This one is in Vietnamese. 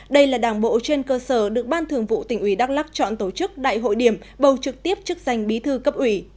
đây là đảng bộ trên cơ sở được ban thường vụ tỉnh ủy đắk lắc chọn tổ chức đại hội điểm bầu trực tiếp chức danh bí thư cấp ủy